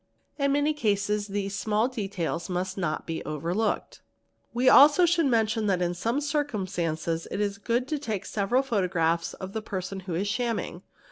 In many cases these small details must not be overlooked ®, 2 _ We should also mention that in some circumstances it is good to take several photographs of a person who is shamming.